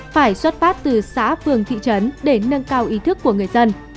phải xuất phát từ xã phường thị trấn để nâng cao ý thức của người dân